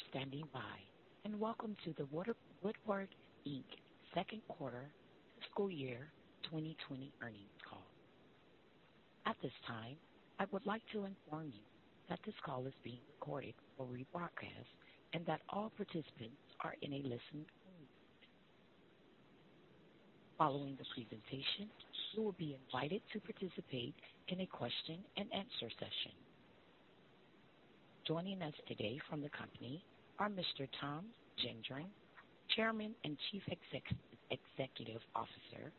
For standing by and welcome to the Woodward, Inc. Q2 fiscal year 2020 earnings call. At this time, I would like to inform you that this call is being recorded or rebroadcast and that all participants are in a listen-only mode. Following the presentation, you will be invited to participate in a question and answer session. Joining us today from the company are Mr. Tom Gendron, Chairman and Chief Executive Officer,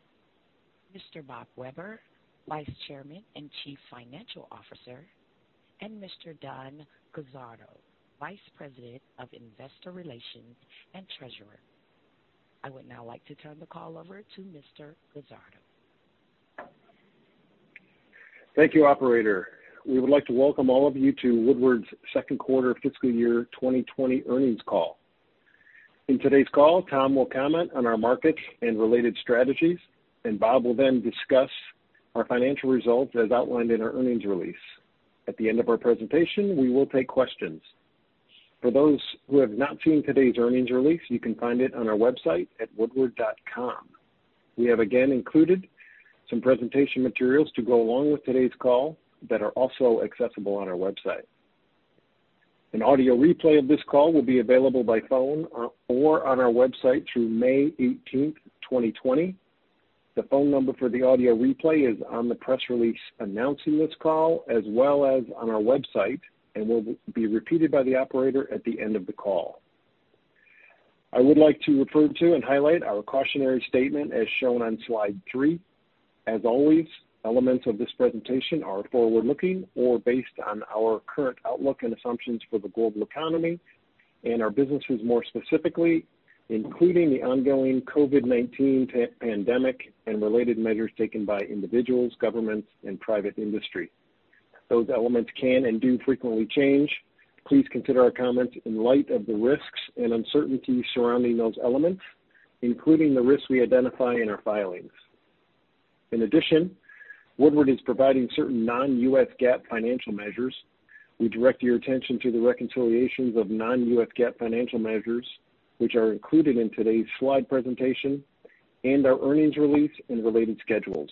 Mr. Bob Weber, Vice Chairman and Chief Financial Officer, and Mr. Don Guzzardo, Vice President of Investor Relations and Treasurer. I would now like to turn the call over to Mr. Guzzardo. Thank you, operator. We would like to welcome all of you to Woodward's Q2 fiscal year 2020 earnings call. In today's call, Tom will comment on our markets and related strategies, and Bob will then discuss our financial results as outlined in our earnings release. At the end of our presentation, we will take questions. For those who have not seen today's earnings release, you can find it on our website at woodward.com. We have, again, included some presentation materials to go along with today's call that are also accessible on our website. An audio replay of this call will be available by phone or on our website through May 18, 2020. The phone number for the audio replay is on the press release announcing this call, as well as on our website, and will be repeated by the operator at the end of the call. I would like to refer to and highlight our cautionary statement as shown on slide three. As always, elements of this presentation are forward-looking or based on our current outlook and assumptions for the global economy and our businesses more specifically, including the ongoing COVID-19 pandemic and related measures taken by individuals, governments, and private industry. Those elements can and do frequently change. Please consider our comments in light of the risks and uncertainties surrounding those elements, including the risks we identify in our filings. In addition, Woodward is providing certain non-U.S. GAAP financial measures. We direct your attention to the reconciliations of non-U.S. GAAP financial measures, which are included in today's slide presentation and our earnings release and related schedules.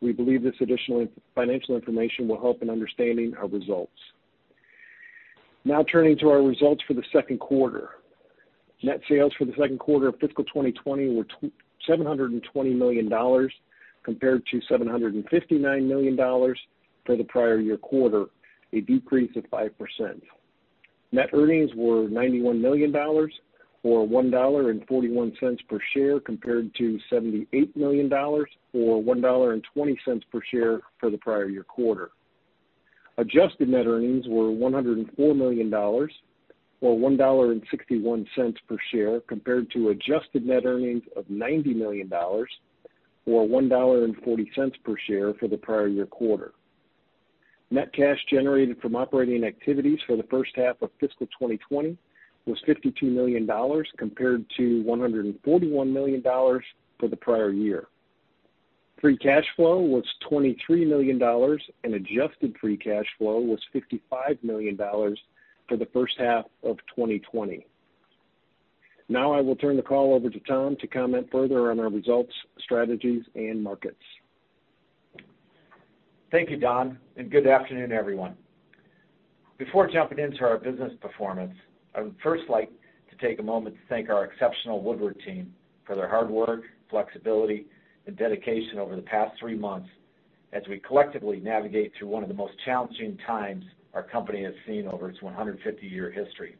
We believe this additional financial information will help in understanding our results. Turning to our results for Q2. Net sales for the Q2 of fiscal 2020 were $720 million compared to $759 million for the prior year quarter, a decrease of 5%. Net earnings were $91 million, or $1.41 per share, compared to $78 million, or $1.20 per share for the prior year quarter. Adjusted net earnings were $104 million, or $1.61 per share, compared to adjusted net earnings of $90 million, or $1.40 per share for the prior year quarter. Net cash generated from operating activities for the H1 of fiscal 2020 was $52 million, compared to $141 million for the prior year. Free cash flow was $23 million, and adjusted free cash flow was $55 million for the H1 of 2020. Now I will turn the call over to Tom to comment further on our results, strategies, and markets. Thank you, Don. Good afternoon, everyone. Before jumping into our business performance, I would first like to take a moment to thank our exceptional Woodward team for their hard work, flexibility, and dedication over the past three months as we collectively navigate through one of the most challenging times our company has seen over its 150-year history.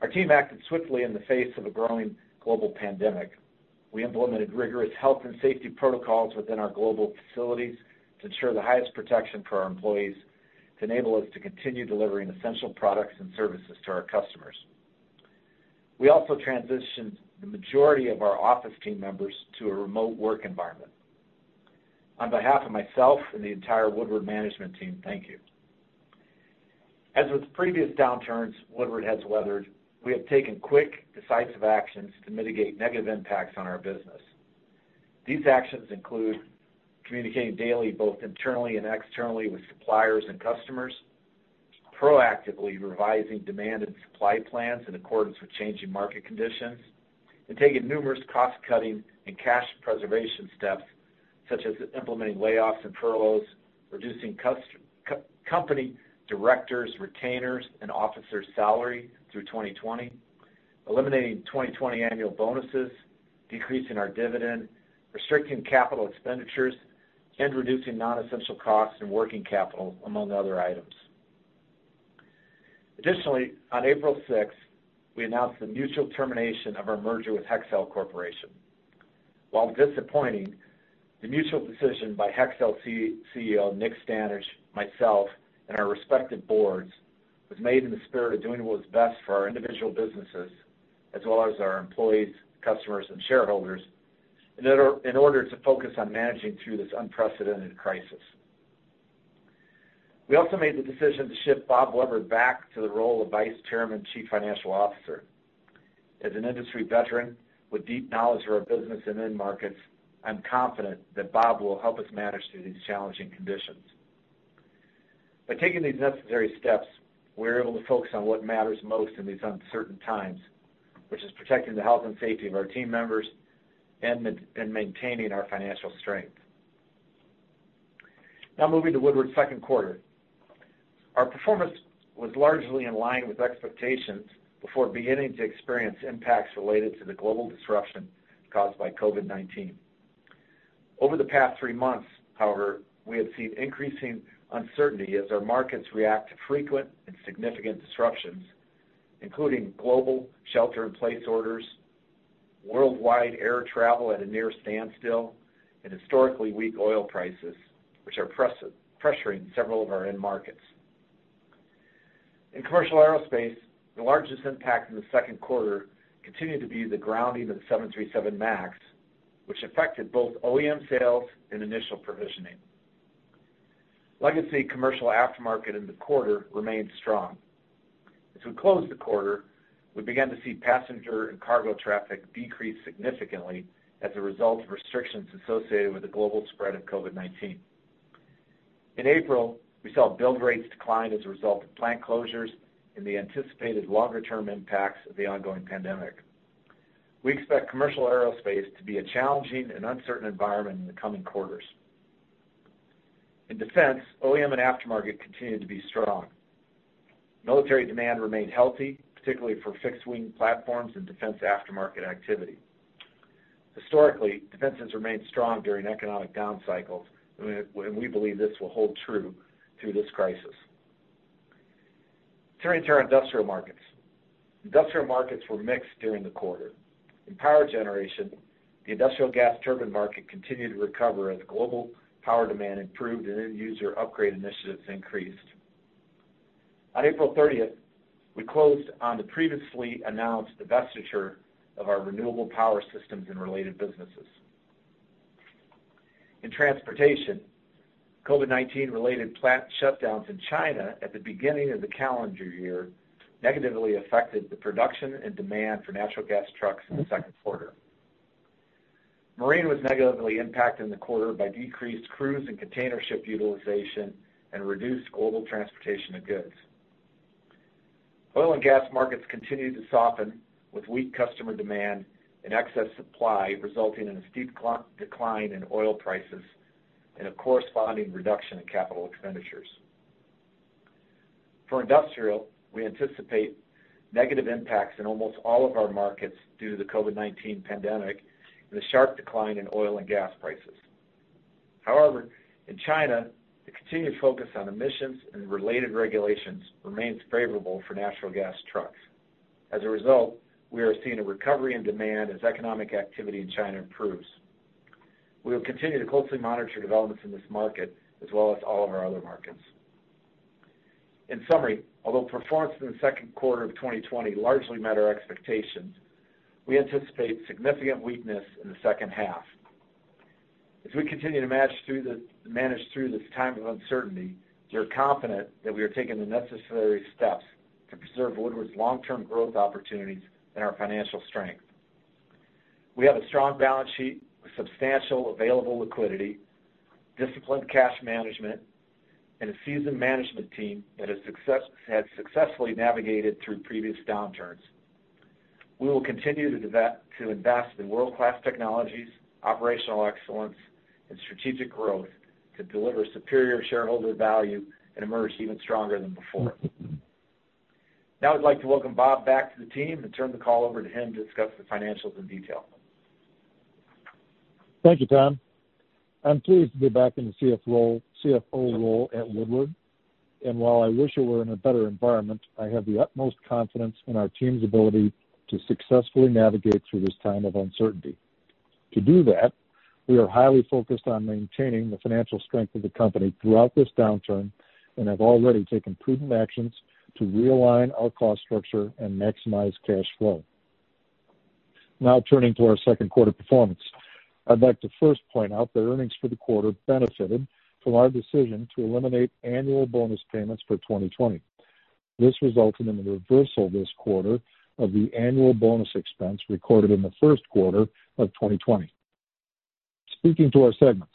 Our team acted swiftly in the face of a growing global pandemic. We implemented rigorous health and safety protocols within our global facilities to ensure the highest protection for our employees to enable us to continue delivering essential products and services to our customers. We also transitioned the majority of our office team members to a remote work environment. On behalf of myself and the entire Woodward management team, thank you. As with previous downturns Woodward has weathered, we have taken quick, decisive actions to mitigate negative impacts on our business. These actions include communicating daily, both internally and externally, with suppliers and customers, proactively revising demand and supply plans in accordance with changing market conditions, and taking numerous cost-cutting and cash preservation steps, such as implementing layoffs and furloughs, reducing company directors' retainers and officers' salary through 2020, eliminating 2020 annual bonuses, decreasing our dividend, restricting capital expenditures, and reducing non-essential costs and working capital, among other items. Additionally, on April 6th, we announced the mutual termination of our merger with Hexcel Corporation. While disappointing, the mutual decision by Hexcel CEO Nick Stanage, myself, and our respective boards was made in the spirit of doing what was best for our individual businesses as well as our employees, customers, and shareholders in order to focus on managing through this unprecedented crisis. We also made the decision to shift Bob Weber back to the role of Vice Chairman, Chief Financial Officer. As an industry veteran with deep knowledge of our business and end markets, I'm confident that Bob will help us manage through these challenging conditions. By taking these necessary steps, we're able to focus on what matters most in these uncertain times, which is protecting the health and safety of our team members and maintaining our financial strength. Moving to Woodward's Q2. Our performance was largely in line with expectations before beginning to experience impacts related to the global disruption caused by COVID-19. Over the past three months, however, we have seen increasing uncertainty as our markets react to frequent and significant disruptions, including global shelter-in-place orders, worldwide air travel at a near standstill, and historically weak oil prices, which are pressuring several of our end markets. In commercial aerospace, the largest impact in the second quarter continued to be the grounding of the 737 MAX, which affected both OEM sales and initial provisioning. Legacy commercial aftermarket in the quarter remained strong. As we closed the quarter, we began to see passenger and cargo traffic decrease significantly as a result of restrictions associated with the global spread of COVID-19. In April, we saw build rates decline as a result of plant closures and the anticipated longer-term impacts of the ongoing pandemic. We expect commercial aerospace to be a challenging and uncertain environment in the coming quarters. In defense, OEM and aftermarket continued to be strong. Military demand remained healthy, particularly for fixed-wing platforms and defense aftermarket activity. Historically, defense has remained strong during economic down cycles, and we believe this will hold true through this crisis. Turning to our industrial markets. Industrial markets were mixed during the quarter. In power generation, the industrial gas turbine market continued to recover as global power demand improved and end-user upgrade initiatives increased. On April 30th, we closed on the previously announced divestiture of our renewable power systems and related businesses. In transportation, COVID-19-related plant shutdowns in China at the beginning of the calendar year negatively affected the production and demand for natural gas trucks in the second quarter. Marine was negatively impacted in the quarter by decreased cruise and container ship utilization and reduced global transportation of goods. Oil and gas markets continued to soften with weak customer demand and excess supply, resulting in a steep decline in oil prices and a corresponding reduction in capital expenditures. For industrial, we anticipate negative impacts in almost all of our markets due to the COVID-19 pandemic and the sharp decline in oil and gas prices. However, in China, the continued focus on emissions and related regulations remains favorable for natural gas trucks. As a result, we are seeing a recovery in demand as economic activity in China improves. We will continue to closely monitor developments in this market, as well as all of our other markets. In summary, although performance in the Q2 of 2020 largely met our expectations, we anticipate significant weakness in the second half. As we continue to manage through this time of uncertainty, we are confident that we are taking the necessary steps to preserve Woodward's long-term growth opportunities and our financial strength. We have a strong balance sheet with substantial available liquidity, disciplined cash management, and a seasoned management team that has successfully navigated through previous downturns. We will continue to invest in world-class technologies, operational excellence, and strategic growth to deliver superior shareholder value and emerge even stronger than before. Now I'd like to welcome Bob back to the team and turn the call over to him to discuss the financials in detail. Thank you, Tom. I'm pleased to be back in the CFO role at Woodward. While I wish it were in a better environment, I have the utmost confidence in our team's ability to successfully navigate through this time of uncertainty. To do that, we are highly focused on maintaining the financial strength of the company throughout this downturn and have already taken prudent actions to realign our cost structure and maximize cash flow. Now turning to our Q2 performance. I'd like to first point out that earnings for the quarter benefited from our decision to eliminate annual bonus payments for 2020. This resulted in the reversal this quarter of the annual bonus expense recorded in Q1 of 2020. Speaking to our segments.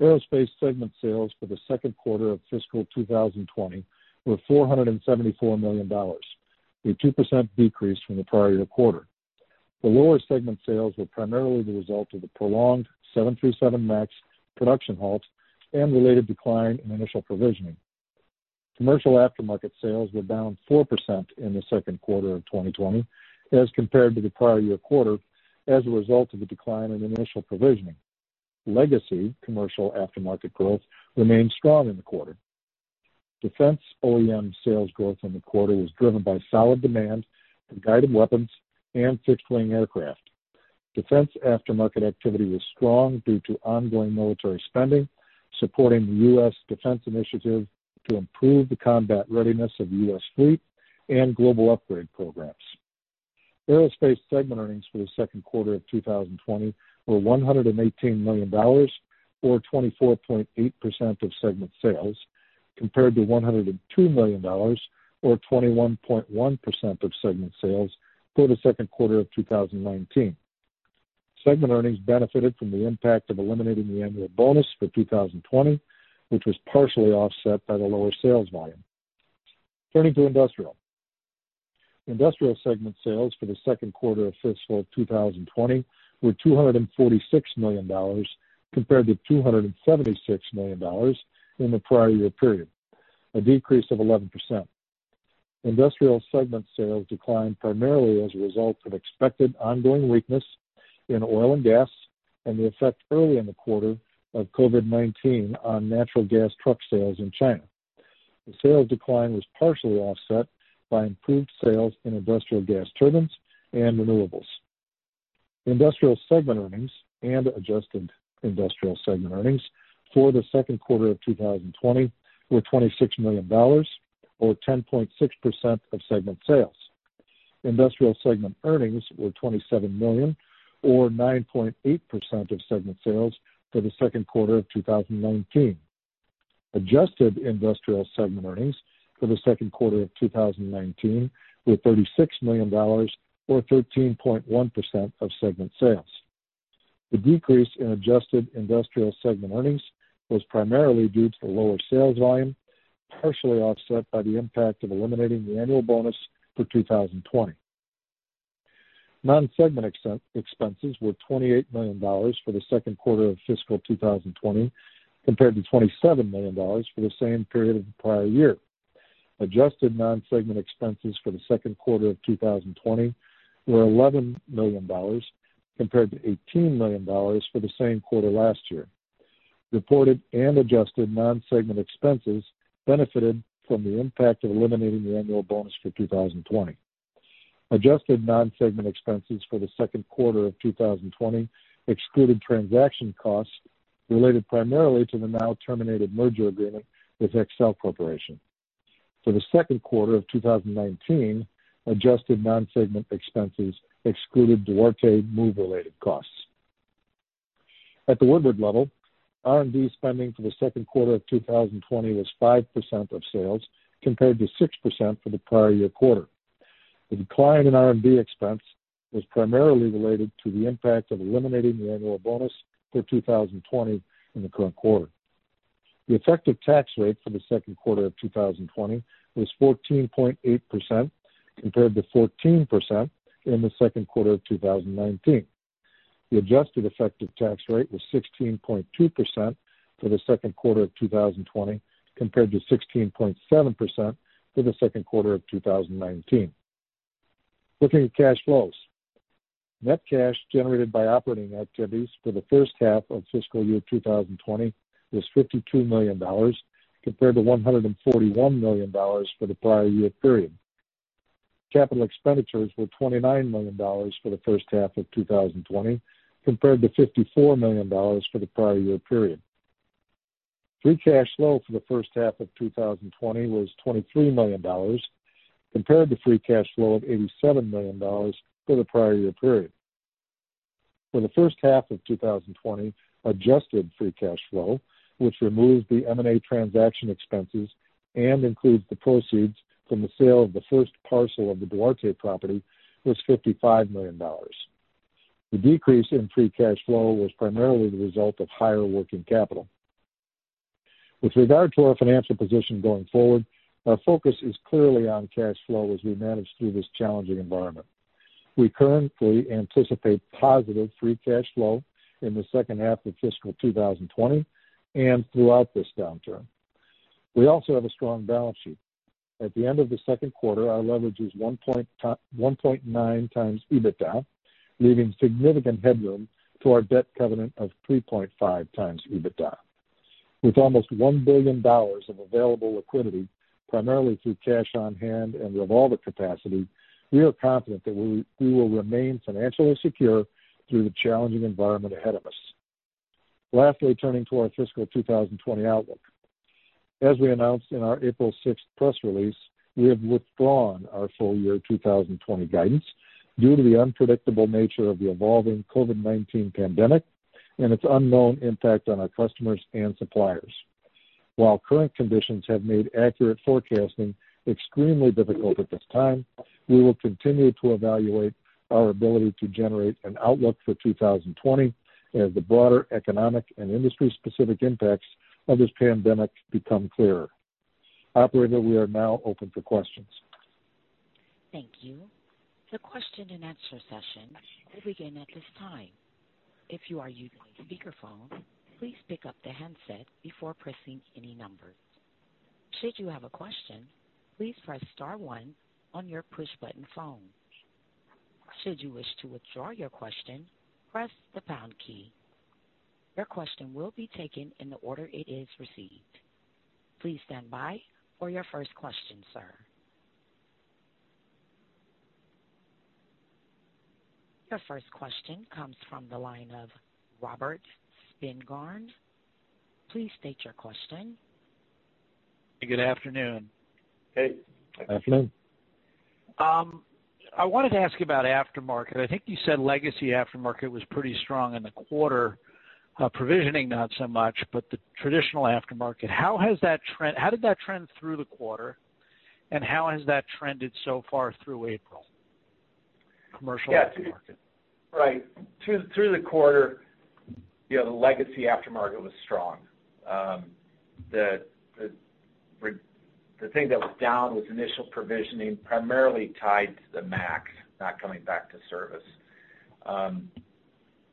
Aerospace segment sales for Q2 of fiscal 2020 were $474 million, a 2% decrease from the prior year quarter. The lower segment sales were primarily the result of the prolonged 737 MAX production halt and the related decline in initial provisioning. Commercial aftermarket sales were down 4% in Q2 of 2020 as compared to the prior year quarter as a result of the decline in initial provisioning. Legacy commercial aftermarket growth remained strong in the quarter. Defense OEM sales growth in the quarter was driven by solid demand for guided weapons and fixed-wing aircraft. Defense aftermarket activity was strong due to ongoing military spending, supporting the U.S. Defense Initiative to improve the combat readiness of U.S. fleet and global upgrade programs. Aerospace segment earnings for Q2 of 2020 were $118 million, or 24.8% of segment sales, compared to $102 million, or 21.1% of segment sales for Q2 of 2019. Segment earnings benefited from the impact of eliminating the annual bonus for 2020, which was partially offset by the lower sales volume. Turning to industrial. Industrial segment sales for the second quarter of fiscal 2020 were $246 million compared to $276 million in the prior year period, a decrease of 11%. Industrial segment sales declined primarily as a result of expected ongoing weakness in oil and gas, and the effect early in the quarter of COVID-19 on natural gas truck sales in China. The sales decline was partially offset by improved sales in industrial gas turbines and renewables. Industrial segment earnings and adjusted industrial segment earnings for Q2 of 2020 were $26 million, or 10.6% of segment sales. Industrial segment earnings were $27 million, or 9.8% of segment sales for Q2 of 2019. Adjusted industrial segment earnings for Q2 of 2019 were $36 million, or 13.1% of segment sales. The decrease in adjusted industrial segment earnings was primarily due to the lower sales volume, partially offset by the impact of eliminating the annual bonus for 2020. Non-segment expenses were $28 million for Q2 of fiscal 2020, compared to $27 million for the same period of the prior year. Adjusted non-segment expenses for Q2 of 2020 were $11 million, compared to $18 million for the same quarter last year. Reported and adjusted non-segment expenses benefited from the impact of eliminating the annual bonus for 2020. Adjusted non-segment expenses for Q2 of 2020 excluded transaction costs related primarily to the now-terminated merger agreement with Hexcel Corporation. For the second quarter of 2019, adjusted non-segment expenses excluded Duarte move-related costs. At the Woodward level, R&D spending for Q2 of 2020 was 5% of sales, compared to 6% for the prior year quarter. The decline in R&D expense was primarily related to the impact of eliminating the annual bonus for 2020 in the current quarter. The effective tax rate for Q2 of 2020 was 14.8%, compared to 14% in Q2 of 2019. The adjusted effective tax rate was 16.2% for Q2 of 2020, compared to 16.7% for Q2 of 2019. Looking at cash flows. Net cash generated by operating activities for the H1 of fiscal year 2020 was $52 million, compared to $141 million for the prior year period. Capital expenditures were $29 million for the H1 of 2020, compared to $54 million for the prior year period. Free cash flow for H1 of 2020 was $23 million, compared to free cash flow of $87 million for the prior year period. For H1 of 2020, adjusted free cash flow, which removes the M&A transaction expenses and includes the proceeds from the sale of the first parcel of the Duarte property, was $55 million. The decrease in free cash flow was primarily the result of higher working capital. With regard to our financial position going forward, our focus is clearly on cash flow as we manage through this challenging environment. We currently anticipate positive free cash flow in H2 of fiscal 2020 and throughout this downturn. We also have a strong balance sheet. At the end of Q2, our leverage is 1.9x EBITDA, leaving significant headroom to our debt covenant of 3.5x EBITDA. With almost $1 billion of available liquidity, primarily through cash on hand and revolver capacity, we are confident that we will remain financially secure through the challenging environment ahead of us. Lastly, turning to our fiscal 2020 outlook. As we announced in our April 6th press release, we have withdrawn our full year 2020 guidance due to the unpredictable nature of the evolving COVID-19 pandemic and its unknown impact on our customers and suppliers. While current conditions have made accurate forecasting extremely difficult at this time, we will continue to evaluate our ability to generate an outlook for 2020 as the broader economic and industry-specific impacts of this pandemic become clearer. Operator, we are now open for questions. Thank you. The question-and-answer session will begin at this time. If you are using a speakerphone, please pick up the handset before pressing any numbers. Should you have a question, please press star one on your push button phone. Should you wish to withdraw your question, press the pound key. Your question will be taken in the order it is received. Please stand by for your first question, sir. Your first question comes from the line of Robert Spingarn. Please state your question. Good afternoon. Hey. Afternoon. I wanted to ask you about aftermarket. I think you said legacy aftermarket was pretty strong in the quarter. Provisioning, not so much, but the traditional aftermarket. How did that trend through the quarter, and how has that trended so far through April? Commercial aftermarket. Right. Through the quarter, the legacy aftermarket was strong. The thing that was down was initial provisioning, primarily tied to the MAX not coming back to service.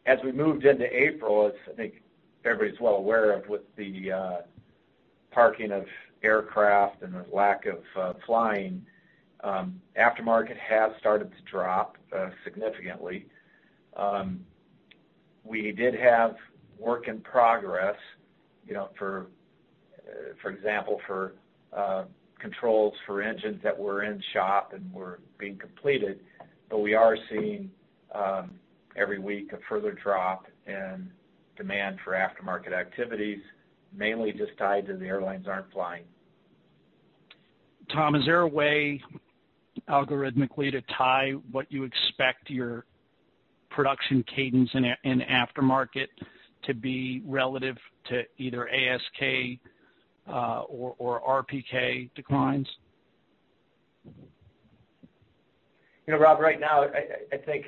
As we moved into April, as I think everybody's well aware of with the parking of aircraft and the lack of flying, aftermarket has started to drop significantly. We did have work in progress, for example, for controls for engines that were in shop and were being completed, but we are seeing every week a further drop in demand for aftermarket activities, mainly just tied to the airlines aren't flying. Tom, is there a way algorithmically to tie what you expect your production cadence in aftermarket to be relative to either ASK or RPK declines? You know, Rob, right now, I think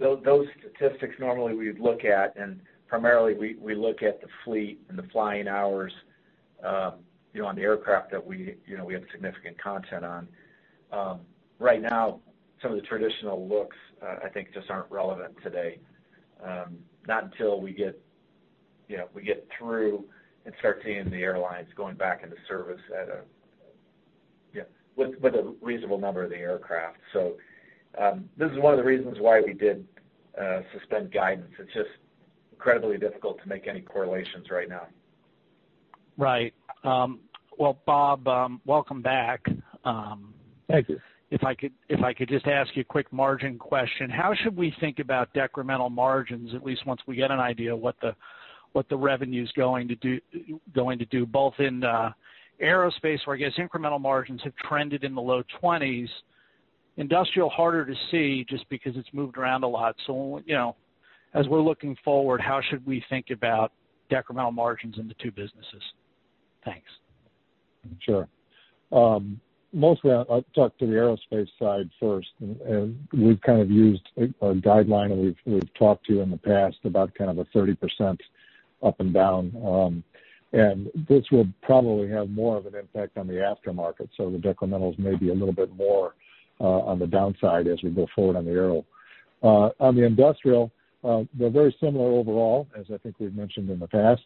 those statistics normally we would look at, primarily we look at the fleet and the flying hours on the aircraft that we have significant content on. Right now, some of the traditional looks, I think just aren't relevant today. Not until we get through and start seeing the airlines going back into service with a reasonable number of the aircraft. This is one of the reasons why we did suspend guidance. It's just incredibly difficult to make any correlations right now. Right. Well, Bob, welcome back. Thank you. If I could just ask you a quick margin question. How should we think about decremental margins, at least once we get an idea what the revenue's going to do, both in aerospace, where I guess incremental margins have trended in the low 20s. Industrial, harder to see, just because it's moved around a lot. As we're looking forward, how should we think about decremental margins in the two businesses? Thanks. Sure. I'll talk to the aerospace side first. We've kind of used a guideline, and we've talked to you in the past about kind of a 30% up and down. This will probably have more of an impact on the aftermarket, so the decrementals may be a little bit more on the downside as we go forward on the aero. On the industrial, they're very similar overall, as I think we've mentioned in the past.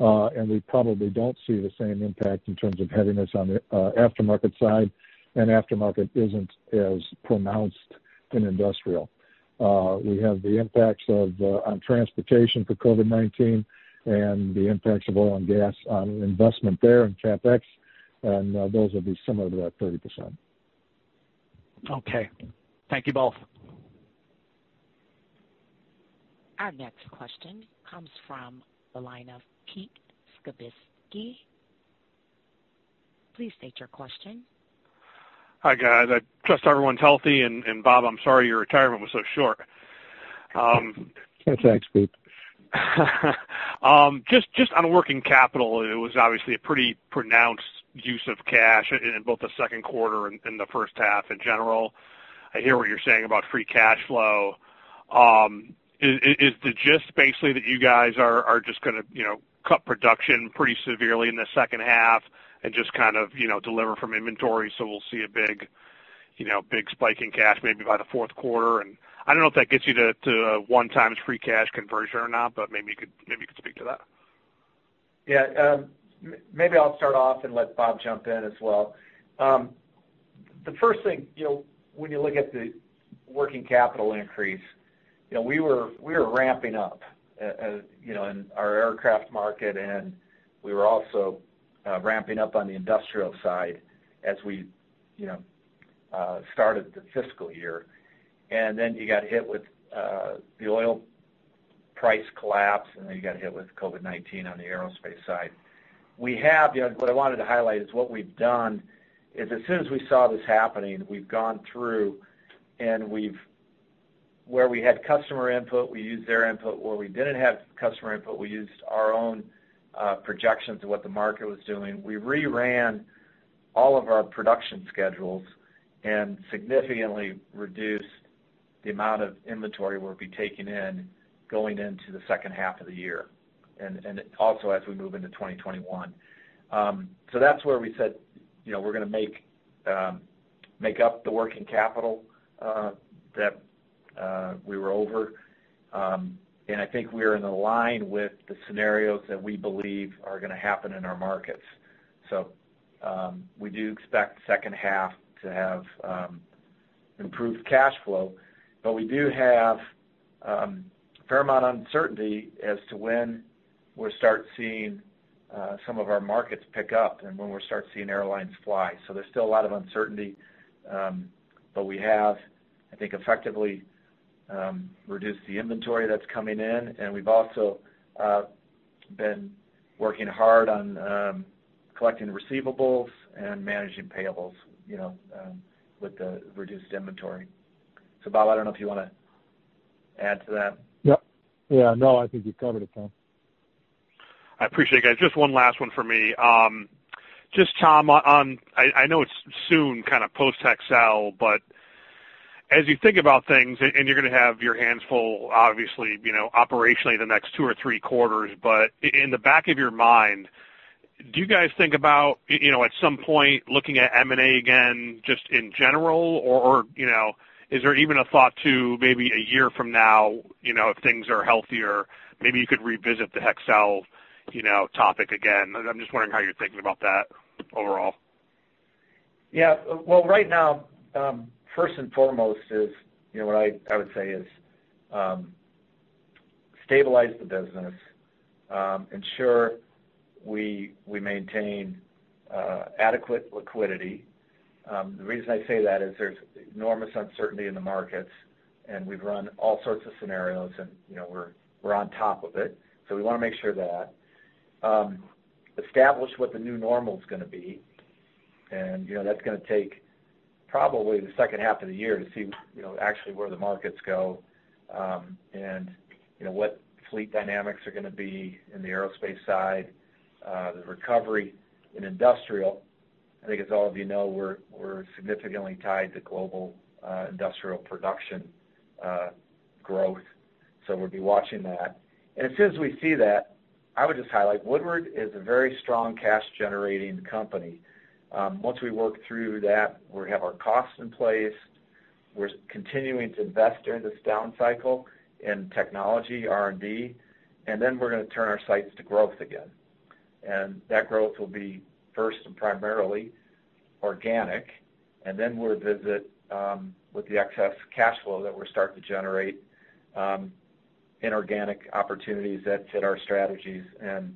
We probably don't see the same impact in terms of heaviness on the aftermarket side, and aftermarket isn't as pronounced in industrial. We have the impacts on transportation for COVID-19 and the impacts of oil and gas on investment there and CapEx, and those will be similar to that 30%. Okay. Thank you both. Our next question comes from the line of Peter Skibitski. Please state your question. Hi, guys. I trust everyone's healthy. Bob, I'm sorry your retirement was so short. Thanks, Pete. Just on working capital, it was obviously a pretty pronounced use of cash in both the second quarter and the first half in general. I hear what you're saying about free cash flow. Is the gist basically that you guys are just going to cut production pretty severely in the second half and just kind of deliver from inventory, so we'll see a big spike in cash maybe by the fourth quarter? I don't know if that gets you to a one times free cash conversion or not. Maybe you could speak to that. Yeah. Maybe I'll start off and let Bob jump in as well. The first thing, when you look at the working capital increase, we were ramping up in our aircraft market, and we were also ramping up on the industrial side as we started the fiscal year. You got hit with the oil price collapse, and then you got hit with COVID-19 on the aerospace side. What I wanted to highlight is what we've done is as soon as we saw this happening, we've gone through and where we had customer input, we used their input. Where we didn't have customer input, we used our own projections of what the market was doing. We reran all of our production schedules and significantly reduced the amount of inventory we'll be taking in going into the second half of the year, and also as we move into 2021. That's where we said we're going to make up the working capital that we were over. I think we are in line with the scenarios that we believe are going to happen in our markets. We do expect second half to have improved cash flow. We do have a fair amount of uncertainty as to when we'll start seeing some of our markets pick up and when we'll start seeing airlines fly. There's still a lot of uncertainty. We have, I think, effectively reduced the inventory that's coming in, and we've also been working hard on collecting receivables and managing payables with the reduced inventory. Bob, I don't know if you want to add to that. Yep. Yeah, no, I think you covered it, Tom. I appreciate it, guys. Just one last one for me. Just Tom, I know it's soon post Hexcel, but as you think about things, and you're going to have your hands full, obviously, operationally the next two or three quarters, but in the back of your mind, do you guys think about, at some point, looking at M&A again, just in general? Is there even a thought to maybe a year from now, if things are healthier, maybe you could revisit the Hexcel topic again? I'm just wondering how you're thinking about that overall. Yeah. Well, right now, first and foremost is, what I would say is, stabilize the business, ensure we maintain adequate liquidity. The reason I say that is there's enormous uncertainty in the markets, and we've run all sorts of scenarios and we're on top of it. We want to make sure that. Establish what the new normal's going to be. That's going to take probably the second half of the year to see actually where the markets go, and what fleet dynamics are going to be in the aerospace side. The recovery in industrial, I think as all of you know, we're significantly tied to global industrial production growth, so we'll be watching that. As soon as we see that, I would just highlight, Woodward is a very strong cash-generating company. Once we work through that, we have our costs in place, we're continuing to invest during this down cycle in technology, R&D, and then we're going to turn our sights to growth again. That growth will be first and primarily organic, and then we'll visit, with the excess cash flow that we're starting to generate, inorganic opportunities that fit our strategies and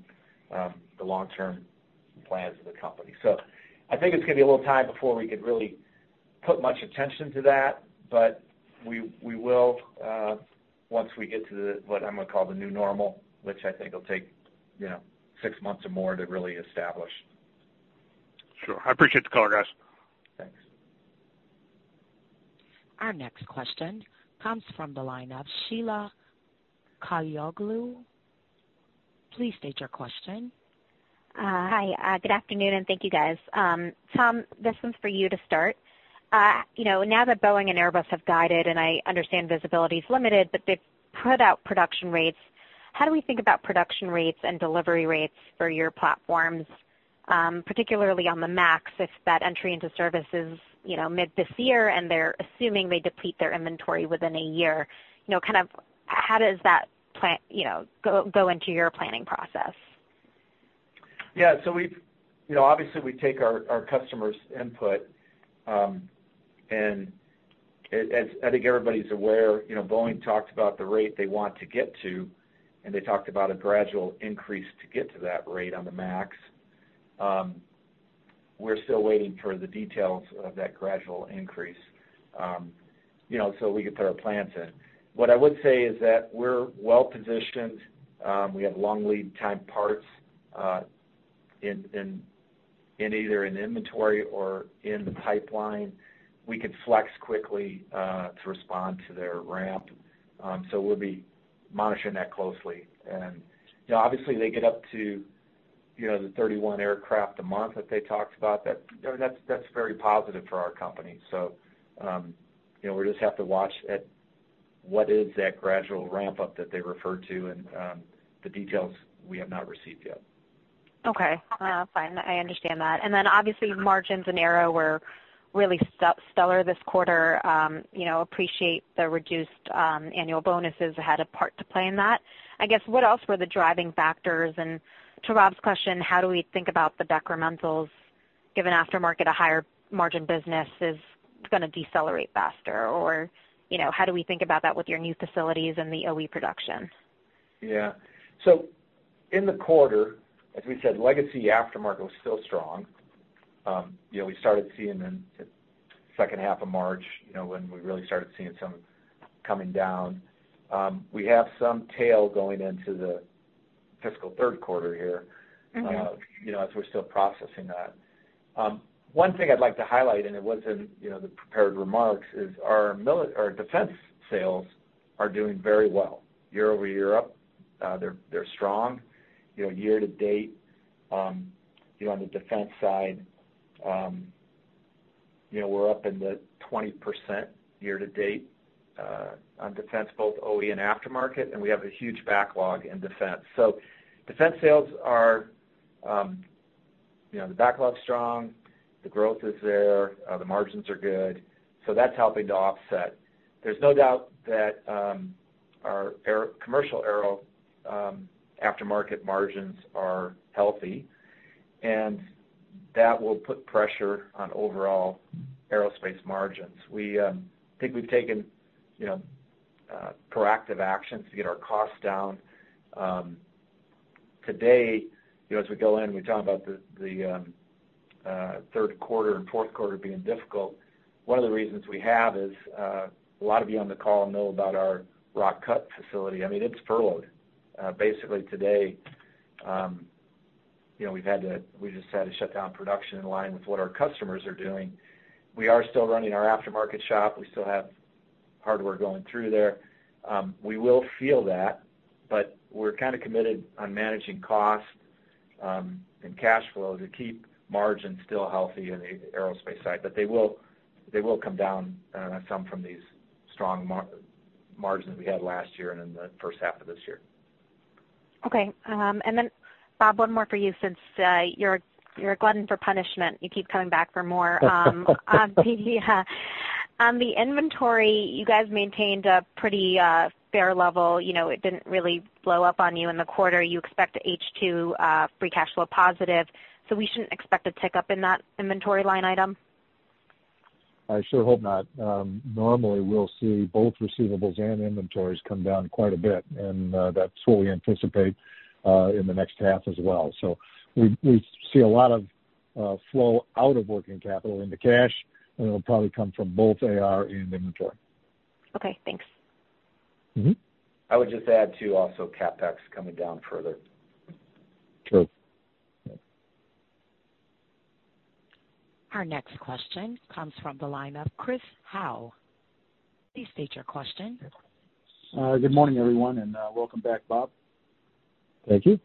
the long-term plans of the company. I think it's going to be a little time before we could really put much attention to that, but we will, once we get to the, what I'm going to call the new normal, which I think will take six months or more to really establish. Sure. I appreciate the color, guys. Thanks. Our next question comes from the line of Sheila Kahyaoglu. Please state your question. Hi, good afternoon, and thank you, guys. Tom, this one's for you to start. Now that Boeing and Airbus have guided, and I understand visibility's limited, but they've put out production rates, how do we think about production rates and delivery rates for your platforms, particularly on the MAX, if that entry into service is mid this year and they're assuming they deplete their inventory within a year. How does that go into your planning process? Yeah. Obviously, we take our customer's input. As I think everybody's aware, Boeing talked about the rate they want to get to, and they talked about a gradual increase to get to that rate on the MAX. We're still waiting for the details of that gradual increase, so we can put our plans in. What I would say is that we're well positioned. We have long lead time parts in either in inventory or in the pipeline. We can flex quickly, to respond to their ramp. We'll be monitoring that closely. Obviously they get up to the 31 aircraft a month that they talked about. That's very positive for our company. We'll just have to watch at what is that gradual ramp up that they referred to and the details we have not received yet. Okay. Fine. I understand that. Then obviously margins in aero were really stellar this quarter. Appreciate the reduced annual bonuses had a part to play in that. I guess, what else were the driving factors? To Rob's question, how do we think about the decrementals given aftermarket, a higher margin business, is going to decelerate faster or, how do we think about that with your new facilities and the OE production? Yeah. In the quarter, as we said, legacy aftermarket was still strong. We started seeing in the second half of March, when we really started seeing some coming down. We have some tail going into the fiscal Q3 here. as we're still processing that. One thing I'd like to highlight, and it was in the prepared remarks, is our defense sales are doing very well. Year-over-year up, they're strong. Year-to-date on the defense side, we're up in the 20% year-to-date on defense, both OE and aftermarket, and we have a huge backlog in defense. Defense sales are, the backlog's strong, the growth is there, the margins are good, so that's helping to offset. There's no doubt that our commercial aero aftermarket margins are healthy, and that will put pressure on overall aerospace margins. We think we've taken proactive actions to get our costs down. Today, as we go in, we talk about the third quarter and fourth quarter being difficult. One of the reasons we have is, a lot of you on the call know about our Rock Cut Campus. It's furloughed. Basically today, we just had to shut down production in line with what our customers are doing. We are still running our aftermarket shop. We still have hardware going through there. We will feel that, but we're kind of committed on managing cost and cash flow to keep margins still healthy in the aerospace side. They will come down some from these strong margins we had last year and in the first half of this year. Okay. Bob, one more for you since you're a glutton for punishment, you keep coming back for more. On the inventory, you guys maintained a pretty fair level. It didn't really blow up on you in the quarter. You expect H2 free cash flow positive, we shouldn't expect a tick up in that inventory line item? I sure hope not. Normally we'll see both receivables and inventories come down quite a bit, and that's what we anticipate in the next half as well. We see a lot of flow out of working capital into cash, and it'll probably come from both AR and inventory. Okay, thanks. I would just add, too, also CapEx coming down further. True. Yeah. Our next question comes from the line of Chris Howe. Please state your question. Good morning everyone, and welcome back, Bob. Thank you.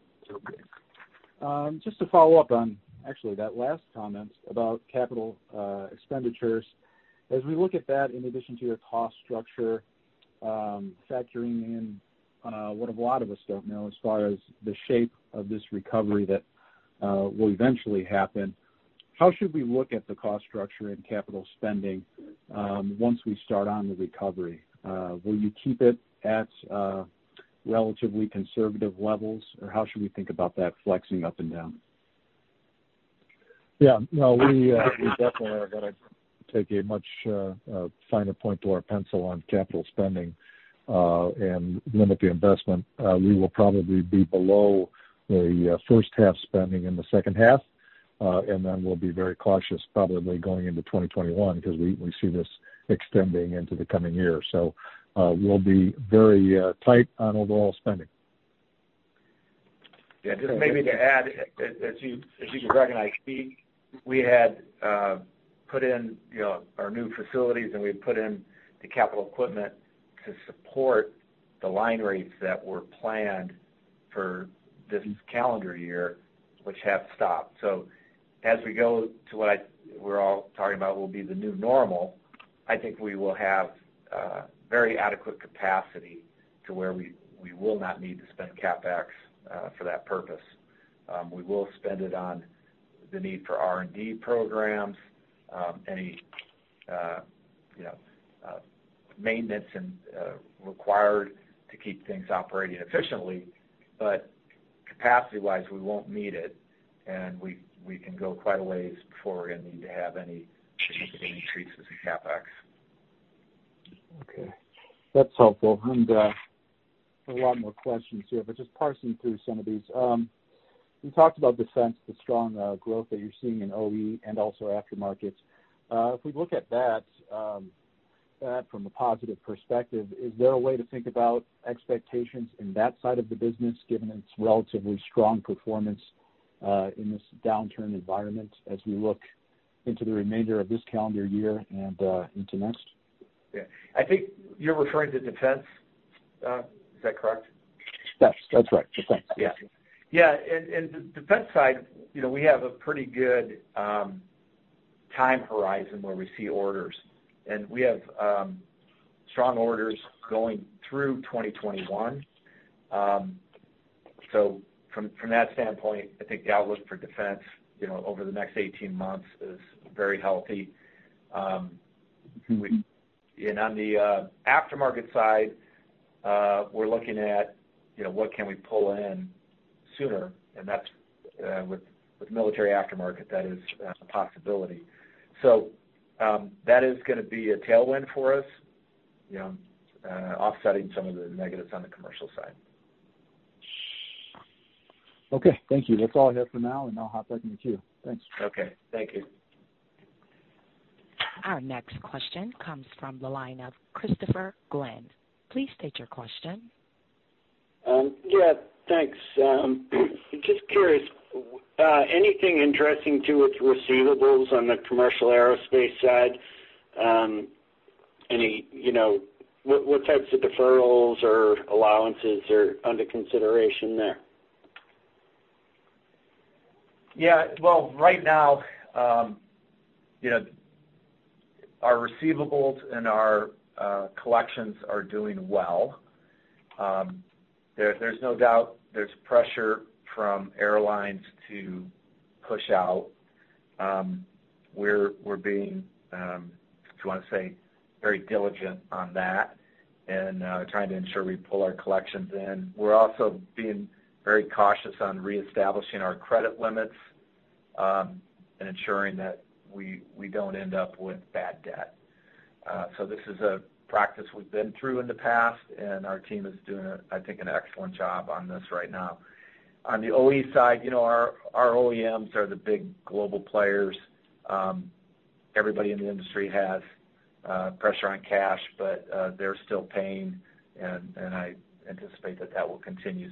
Just to follow up on, actually, that last comment about capital expenditures. As we look at that in addition to your cost structure, factoring in what a lot of us don't know as far as the shape of this recovery that will eventually happen, how should we look at the cost structure and capital spending once we start on the recovery? Will you keep it at relatively conservative levels, or how should we think about that flexing up and down? Yeah, no, we definitely are going to take a much finer point to our pencil on capital spending, and limit the investment. We will probably be below the first half spending in the second half. Then we'll be very cautious probably going into 2021, because we see this extending into the coming year. We'll be very tight on overall spending. Yeah, just maybe to add, as you can recognize, we had put in our new facilities and we had put in the capital equipment to support the line rates that were planned for this calendar year, which have stopped. As we go to what we're all talking about will be the new normal, I think we will have very adequate capacity to where we will not need to spend CapEx for that purpose. We will spend it on the need for R&D programs, any maintenance required to keep things operating efficiently. Capacity-wise, we won't need it, and we can go quite a ways before we're going to need to have any significant increases in CapEx. Okay, that's helpful. A lot more questions here, but just parsing through some of these. You talked about defense, the strong growth that you're seeing in OE and also aftermarkets. If we look at that from a positive perspective, is there a way to think about expectations in that side of the business, given its relatively strong performance in this downturn environment as we look into the remainder of this calendar year and into next? Yeah. I think you're referring to defense, Chris. Is that correct? Yes, that's right. Defense. Yeah. Yeah, in the defense side, we have a pretty good time horizon where we see orders. We have strong orders going through 2021. From that standpoint, I think the outlook for defense over the next 18 months is very healthy. On the aftermarket side, we're looking at what can we pull in sooner, and with military aftermarket, that is a possibility. That is going to be a tailwind for us, offsetting some of the negatives on the commercial side. Okay, thank you. That's all I have for now, and I'll hop back into queue. Thanks. Okay, thank you. Our next question comes from the line of Christopher Glynn. Please state your question. Yeah, thanks. Just curious, anything interesting to with receivables on the commercial aerospace side? What types of deferrals or allowances are under consideration there? Yeah. Well, right now, our receivables and our collections are doing well. There's no doubt there's pressure from airlines to push out. We're being, if you want to say, very diligent on that and trying to ensure we pull our collections in. We're also being very cautious on reestablishing our credit limits, and ensuring that we don't end up with bad debt. This is a practice we've been through in the past, and our team is doing, I think, an excellent job on this right now. On the OE side, our OEMs are the big global players. Everybody in the industry has pressure on cash, but they're still paying, and I anticipate that that will continue.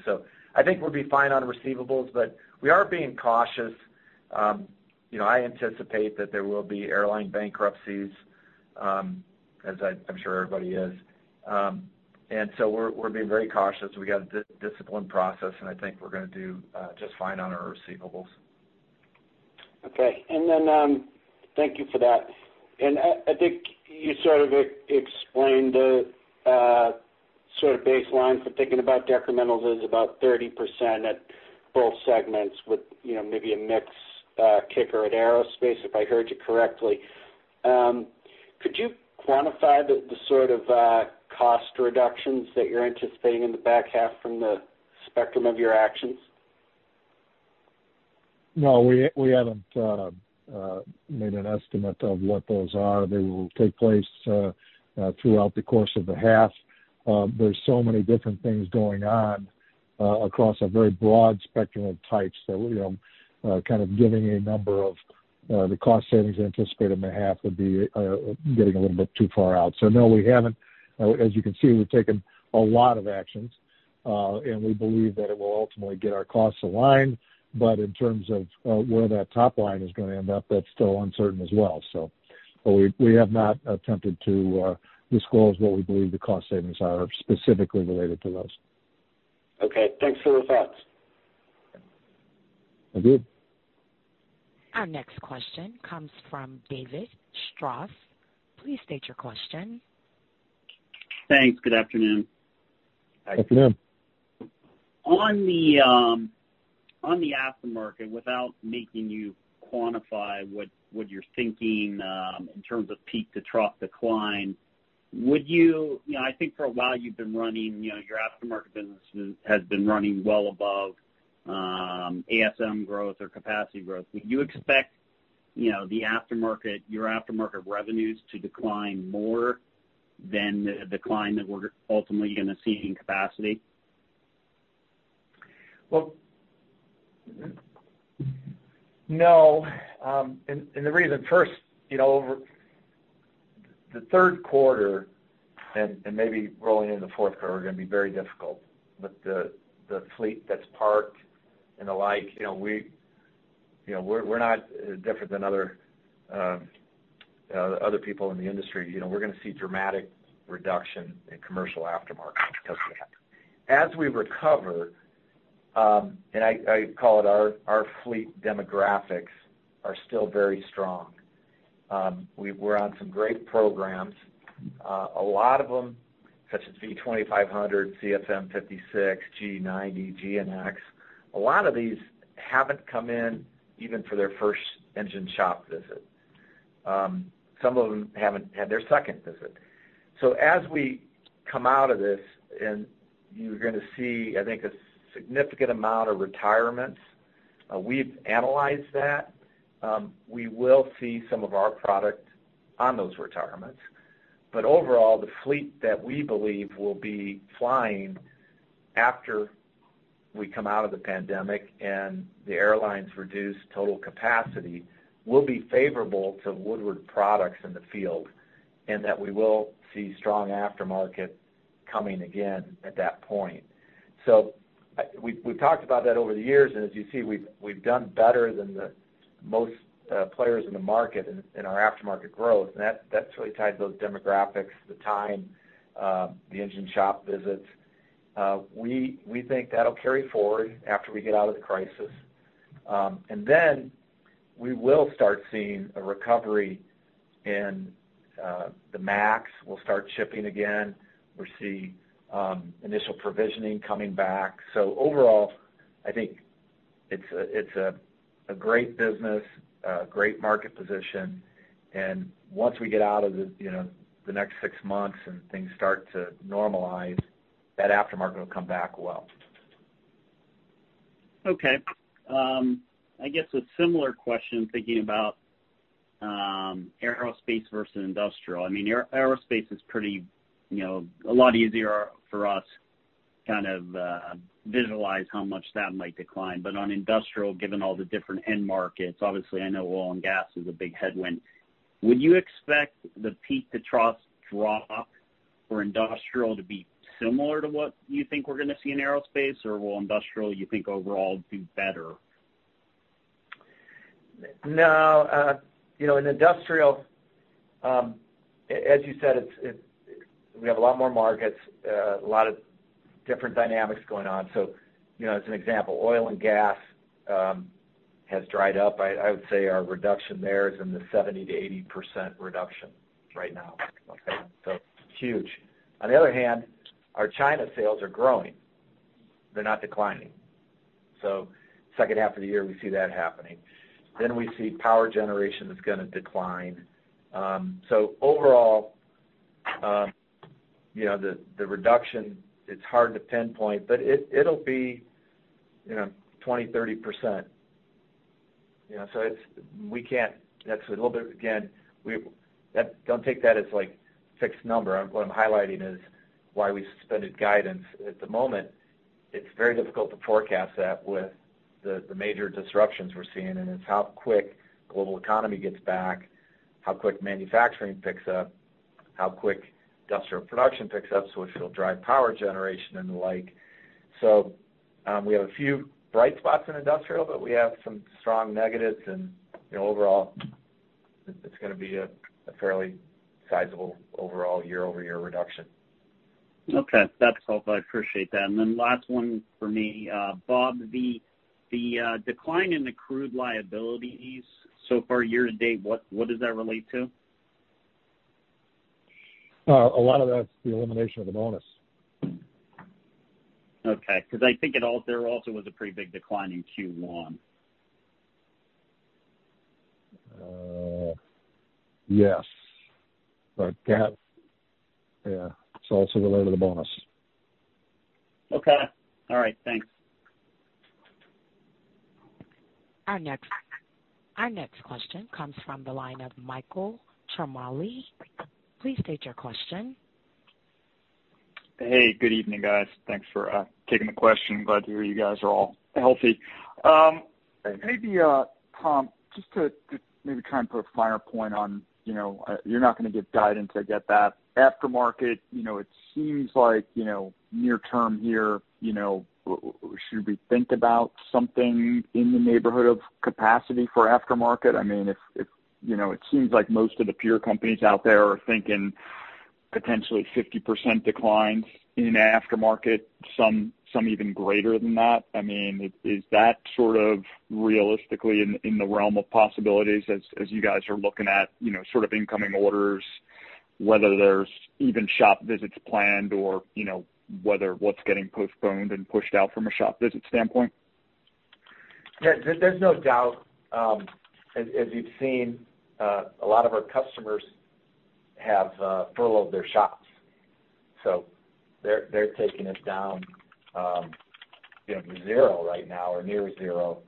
I think we'll be fine on receivables, but we are being cautious. I anticipate that there will be airline bankruptcies, as I'm sure everybody is. We're being very cautious. We've got a disciplined process, and I think we're going to do just fine on our receivables. Okay. Thank you for that. I think you sort of explained the sort of baseline for thinking about decrementals is about 30% at both segments with maybe a mix kicker at aerospace, if I heard you correctly. Could you quantify the sort of cost reductions that you're anticipating in the back half from the spectrum of your actions? No, we haven't made an estimate of what those are. They will take place throughout the course of the half. There's so many different things going on across a very broad spectrum of types. Kind of giving a number of the cost savings anticipated in the half would be getting a little bit too far out. No, we haven't. As you can see, we've taken a lot of actions, and we believe that it will ultimately get our costs aligned. In terms of where that top line is going to end up, that's still uncertain as well. We have not attempted to disclose what we believe the cost savings are specifically related to those. Okay. Thanks for the thoughts. Thank you. Our next question comes from David Strauss. Please state your question. Thanks. Good afternoon. Afternoon. On the aftermarket, without making you quantify what you're thinking in terms of peak-to-trough decline, I think for a while your aftermarket business has been running well above ASM growth or capacity growth. Would you expect your aftermarket revenues to decline more than the decline that we're ultimately going to see in capacity? Well, no. The reason, first, Q3 and maybe rolling into Q4 are going to be very difficult with the fleet that's parked and the like. We're not different than other people in the industry. We're going to see dramatic reduction in commercial aftermarket because of that. As we recover, and I call it our fleet demographics, are still very strong. We're on some great programs. A lot of them, such as V2500, CFM56, GE90, GEnx, a lot of these haven't come in even for their first engine shop visit. Some of them haven't had their second visit. As we come out of this, and you're going to see, I think, a significant amount of retirements. We've analyzed that. We will see some of our product on those retirements. Overall, the fleet that we believe will be flying after we come out of the pandemic and the airlines reduce total capacity will be favorable to Woodward products in the field, and that we will see strong aftermarket coming again at that point. We've talked about that over the years, and as you see, we've done better than the most players in the market in our aftermarket growth, and that's really tied to those demographics, the time, the engine shop visits. We think that'll carry forward after we get out of the crisis. We will start seeing a recovery, and the Max will start shipping again. We'll see initial provisioning coming back. Overall, I think it's a great business, a great market position. Once we get out of the next six months and things start to normalize, that aftermarket will come back well. Okay. I guess a similar question, thinking about aerospace versus industrial. Aerospace is a lot easier for us, kind of visualize how much that might decline. On industrial, given all the different end markets, obviously, I know oil and gas is a big headwind. Would you expect the peak-to-trough drop for industrial to be similar to what you think we're going to see in aerospace? Will industrial, you think, overall do better? No. In industrial, as you said, we have a lot more markets, a lot of different dynamics going on. As an example, oil and gas has dried up. I would say our reduction there is in the 70%-80% reduction right now. Okay. Huge. On the other hand, our China sales are growing. They're not declining. H2 of the year, we see that happening. We see power generation is going to decline. Overall, the reduction, it's hard to pinpoint, but it'll be 20%, 30%. It's a little bit, again, don't take that as fixed number. What I'm highlighting is why we suspended guidance. At the moment, it's very difficult to forecast that with the major disruptions we're seeing, and it's how quick global economy gets back, how quick manufacturing picks up, how quick industrial production picks up, so which will drive power generation and the like. We have a few bright spots in industrial, but we have some strong negatives and overall, it's going to be a fairly sizable overall year-over-year reduction. Okay. That's helpful. I appreciate that. Last one for me. Bob, the decline in accrued liabilities so far year to date, what does that relate to? A lot of that's the elimination of the bonus. Okay, I think there also was a pretty big decline in Q1. Yes. That, yeah, it's also related to bonus. Okay. All right, thanks. Our next question comes from the line of Michael Ciarmoli. Please state your question. Hey, good evening, guys. Thanks for taking the question. Glad to hear you guys are all healthy. Maybe, Tom, just to maybe kind of put a finer point on, you're not going to give guidance, I get that. Aftermarket, it seems like near term here, should we think about something in the neighborhood of capacity for aftermarket? It seems like most of the peer companies out there are thinking potentially 50% declines in aftermarket, some even greater than that. Is that sort of realistically in the realm of possibilities as you guys are looking at sort of incoming orders, whether there's even shop visits planned or whether what's getting postponed and pushed out from a shop visit standpoint? There's no doubt, as you've seen, a lot of our customers have furloughed their shops. They're taking us down to zero right now or near zero.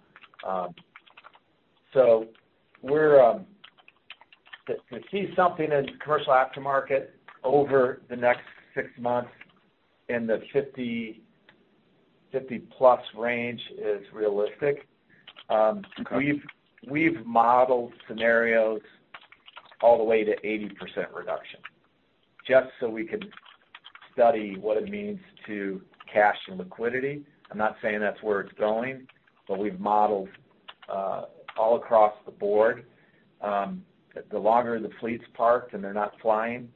To see something in commercial aftermarket over the next six months in the 50 plus range is realistic. Okay. We've modeled scenarios all the way to 80% reduction, just so we could study what it means to cash and liquidity. I'm not saying that's where it's going, but we've modeled all across the board. The longer the fleet's parked and they're not flying,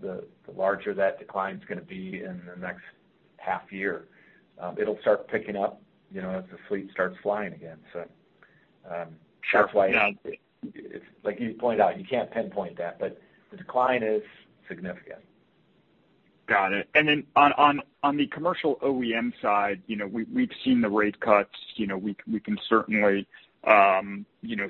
the larger that decline is going to be in the next half year. It'll start picking up as the fleet starts flying again. Sure. Like you pointed out, you can't pinpoint that, but the decline is significant. Got it. On the commercial OEM side, we've seen the rate cuts. We can certainly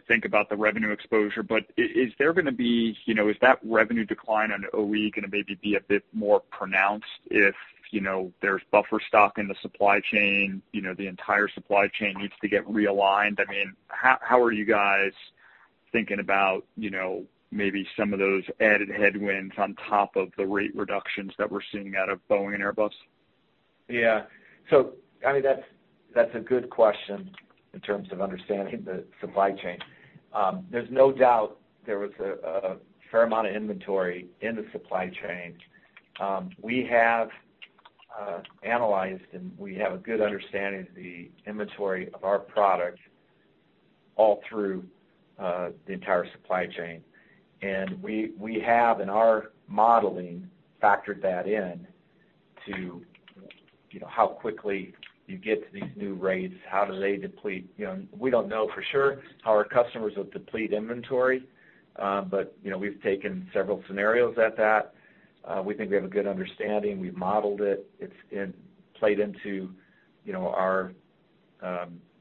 think about the revenue exposure, but is that revenue decline on OE going to maybe be a bit more pronounced if there's buffer stock in the supply chain, the entire supply chain needs to get realigned? How are you guys thinking about maybe some of those added headwinds on top of the rate reductions that we're seeing out of Boeing and Airbus? Yeah. That's a good question in terms of understanding the supply chain. There's no doubt there was a fair amount of inventory in the supply chain. We have analyzed and we have a good understanding of the inventory of our product all through the entire supply chain. We have, in our modeling, factored that in to how quickly you get to these new rates, how do they deplete. We don't know for sure how our customers will deplete inventory. We've taken several scenarios at that. We think we have a good understanding. We've modeled it. It's played into our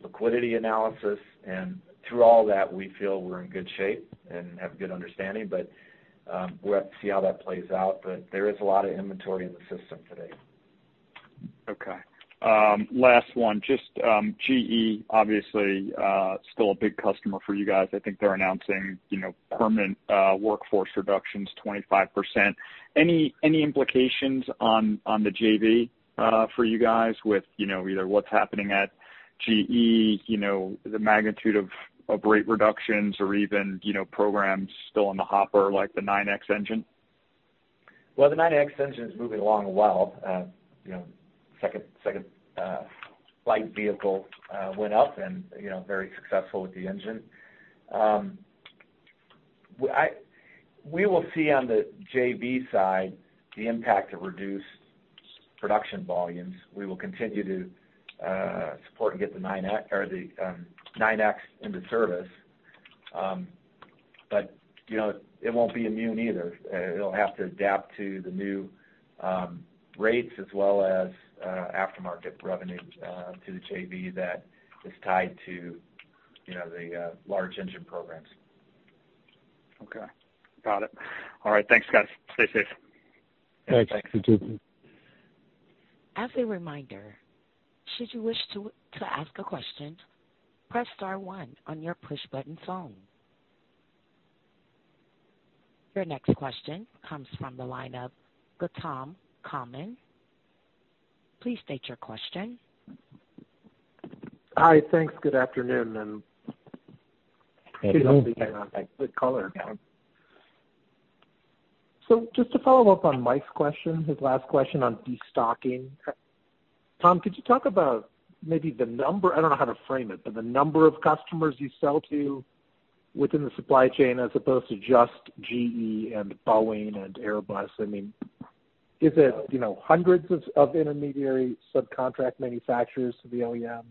liquidity analysis. Through all that, we feel we're in good shape and have a good understanding. We'll have to see how that plays out. There is a lot of inventory in the system today. Okay. Last one, just GE, obviously, still a big customer for you guys. I think they're announcing permanent workforce reductions 25%. Any implications on the JV for you guys with either what's happening at GE, the magnitude of rate reductions or even programs still in the hopper, like the GE9X engine? Well, the GE9X engine is moving along well. Second flight vehicle went up and very successful with the engine. We will see on the JV side the impact of reduced production volumes. We will continue to support and get the GE9X into service. It won't be immune either. It'll have to adapt to the new rates as well as aftermarket revenue to the JV that is tied to the large engine programs. Okay. Got it. All right, thanks, guys. Stay safe. Thanks. Thanks. You too. As a reminder, should you wish to ask a question, press star one on your push button phone. Your next question comes from the line of Gautam Khanna. Please state your question. Hi. Thanks. Good afternoon. Good afternoon. Good calling again. Just to follow up on Mike's question, his last question on destocking. Tom, could you talk about maybe the number, I don't know how to frame it, but the number of customers you sell to within the supply chain as opposed to just GE and Boeing and Airbus. Is it hundreds of intermediary subcontract manufacturers to the OEMs?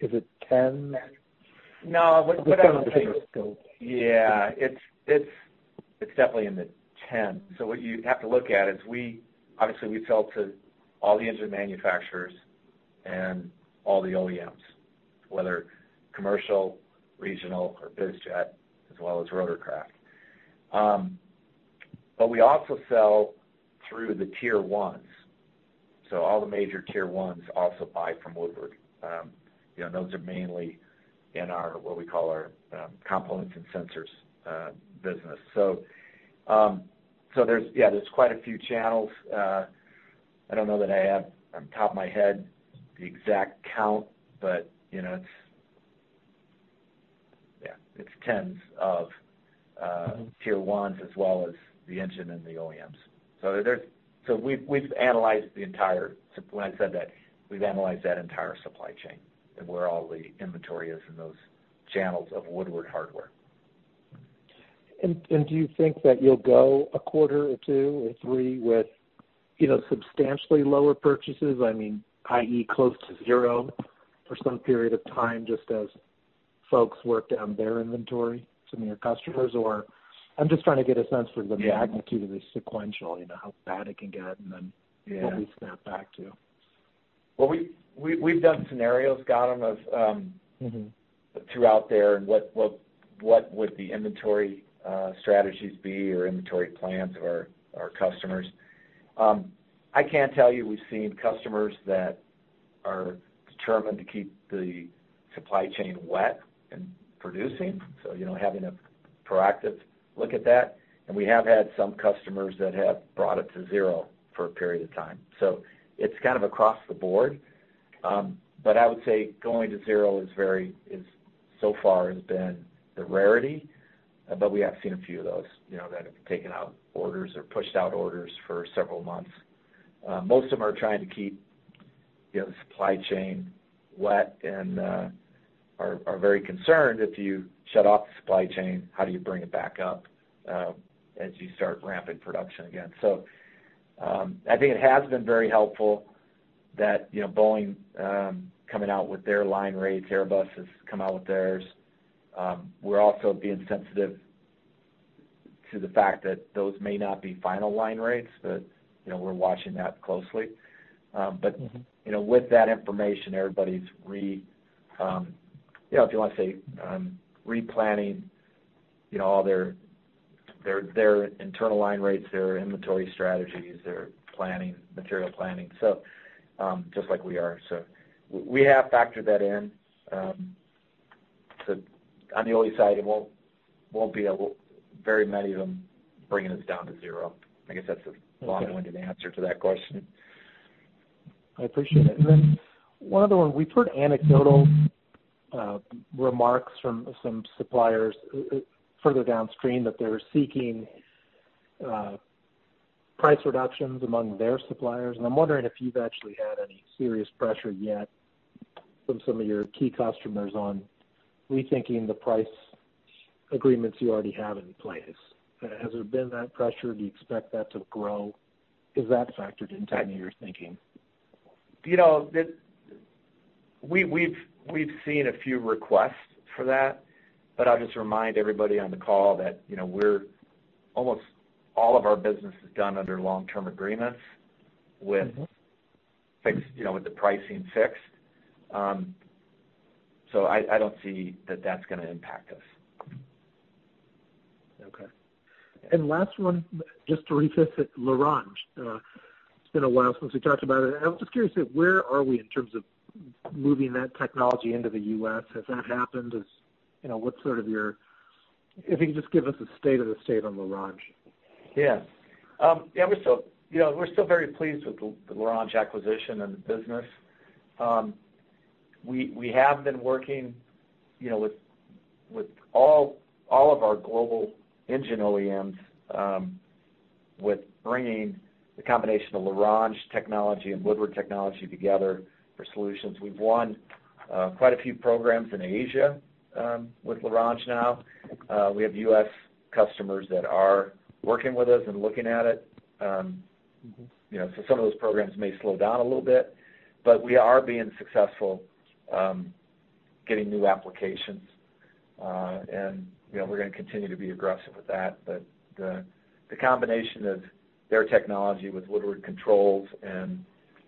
Is it 10? No. Just kind of give us a scope. Yeah. It's definitely in the 10. What you have to look at is, obviously we sell to all the engine manufacturers and all the OEMs, whether commercial, regional or biz jet, as well as rotorcraft. We also sell through the tier ones. All the major tier ones also buy from Woodward. Those are mainly in what we call our components and sensors business. There's quite a few channels. I don't know that I have, on top of my head, the exact count, but it's tens of tier ones as well as the engine and the OEMs. We've analyzed the entire, when I said that, we've analyzed that entire supply chain and where all the inventory is in those channels of Woodward hardware. Do you think that you'll go a quarter or two or three with substantially lower purchases? i.e., close to zero for some period of time just as folks work down their inventory, some of your customers, or I'm just trying to get a sense for the magnitude of the sequential, how bad it can get? Yeah What we snap back to. Well, we've done scenarios, Gautam Khanna. Throughout there and what would the inventory strategies be, or inventory plans of our customers. I can tell you we've seen customers that are determined to keep the supply chain wet and producing, so having a proactive look at that, and we have had some customers that have brought it to zero for a period of time. It's kind of across the board. I would say going to zero so far has been the rarity, but we have seen a few of those, that have taken out orders or pushed out orders for several months. Most of them are trying to keep the supply chain wet and are very concerned if you shut off the supply chain, how do you bring it back up as you start ramping production again? I think it has been very helpful that Boeing coming out with their line rates, Airbus has come out with theirs. We're also being sensitive to the fact that those may not be final line rates, but we're watching that closely. With that information, everybody's, if you want to say replanning all their internal line rates, their inventory strategies, their material planning, just like we are. We have factored that in. On the OE side, it won't be very many of them bringing us down to zero. I guess that's a long-winded answer to that question. I appreciate it. One other one. We've heard anecdotal remarks from some suppliers further downstream that they're seeking price reductions among their suppliers, and I'm wondering if you've actually had any serious pressure yet from some of your key customers on rethinking the price agreements you already have in place. Has there been that pressure? Do you expect that to grow? Is that factored into any of your thinking? We've seen a few requests for that, but I'll just remind everybody on the call that almost all of our business is done under long-term agreements with the pricing fixed. I don't see that that's going to impact us. Okay. Last one, just to revisit L'Orange. It's been a while since we talked about it, and I was just curious, where are we in terms of moving that technology into the U.S.? Has that happened? If you could just give us a state of the state on L'Orange. Yeah. We're still very pleased with the L'Orange acquisition and the business. We have been working with all of our global engine OEMs with bringing the combination of L'Orange technology and Woodward technology together for solutions. We've won quite a few programs in Asia with L'Orange now. We have U.S. customers that are working with us and looking at it. Some of those programs may slow down a little bit, but we are being successful getting new applications. We're going to continue to be aggressive with that. The combination of their technology with Woodward controls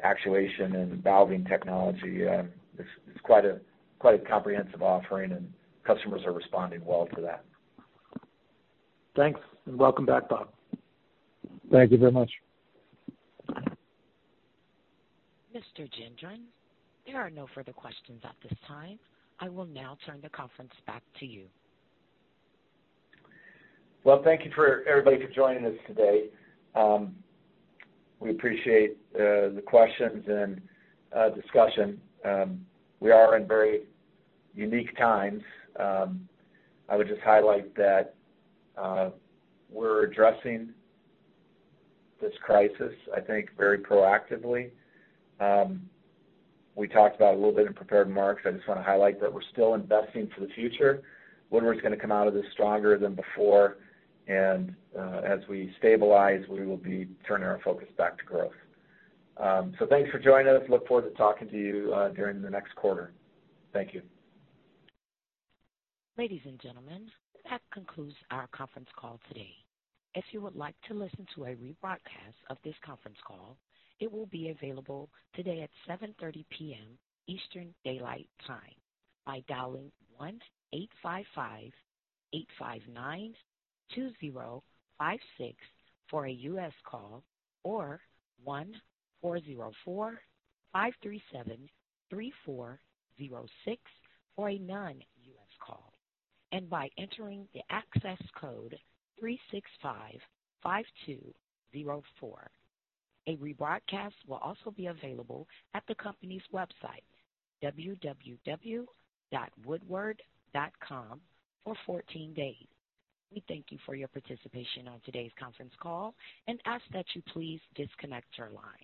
and actuation and valving technology. Yeah It's quite a comprehensive offering, and customers are responding well to that. Thanks. Welcome back, Bob. Thank you very much. Mr. Gendron, there are no further questions at this time. I will now turn the conference back to you. Well, thank you for everybody for joining us today. We appreciate the questions and discussion. We are in very unique times. I would just highlight that we're addressing this crisis, I think, very proactively. We talked about a little bit in prepared remarks. I just want to highlight that we're still investing for the future. Woodward's going to come out of this stronger than before, and as we stabilize, we will be turning our focus back to growth. Thanks for joining us. Look forward to talking to you during the next quarter. Thank you. Ladies and gentlemen, that concludes our conference call today. If you would like to listen to a rebroadcast of this conference call, it will be available today at 7:30 P.M. Eastern Daylight Time by dialing 1-855-859-2056 for a U.S. call or 1-404-537-3406 for a non-U.S. call. By entering the access code 3655204. A rebroadcast will also be available at the company's website, www.woodward.com, for 14 days. We thank you for your participation on today's conference call and ask that you please disconnect your line.